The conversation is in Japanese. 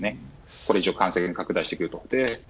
これ以上、感染拡大してくると。